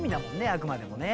あくまでもね」